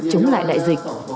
chống lại đại dịch